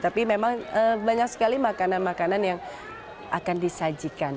tapi memang banyak sekali makanan makanan yang akan disajikan